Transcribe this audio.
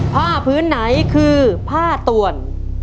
ผ้าพื้นไหนคือผ้าต่วน